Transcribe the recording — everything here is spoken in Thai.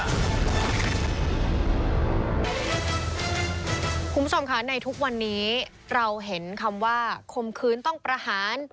คุณผู้ชมค่ะในทุกวันนี้เราเห็นคำว่าคมคืนต้องประหาร